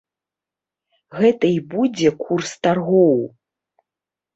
Гэта і будзе курс таргоў?